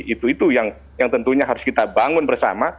itu itu yang tentunya harus kita bangun bersama